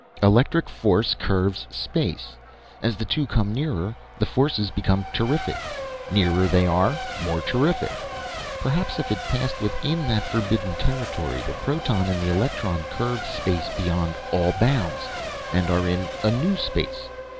"Electric force curves space. As the two come nearer, the forces become terrific; nearer they are; more terrific. Perhaps, if it passed within that forbidden territory, the proton and the electron curve space beyond all bounds and are in a new space."